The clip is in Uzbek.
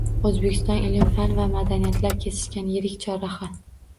O‘zbekiston – ilm-fan va madaniyatlar kesishgan yirik chorraha